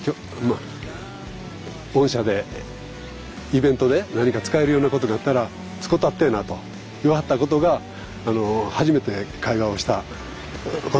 御社でイベントで何か使えるようなことがあったら使たってぇなと言わはったことがあの初めて会話をしたことですね。